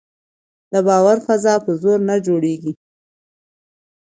د باور فضا په زور نه جوړېږي